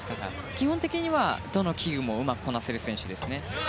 基本的にはどの器具もうまくこなせる選手です。